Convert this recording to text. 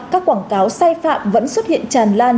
các quảng cáo sai phạm vẫn xuất hiện tràn lan